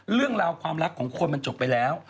เรื่องราวความรักของคนมันจบไปแล้ว